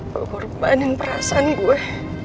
gue korbanin perasaan gue